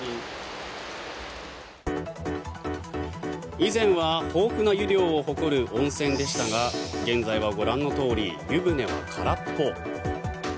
以前は豊富な湯量を誇る温泉でしたが現在はご覧のとおり湯船は空っぽ。